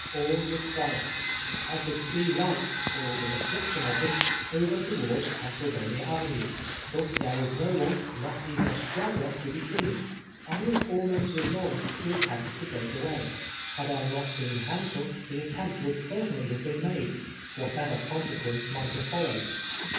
All was quiet. I could sec lights, or the reth'ction of them, over towanls reim sylvaiiia Avenue, hut there was no one, not even a straggler, to he seen. I was almost resolved to at tempt to l)reak away. Had I not heen hand cuffed the attemj^t would certainly have heen made, what ever consequence might liave followed.